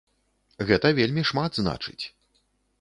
Гэта вельмі шмат значыць.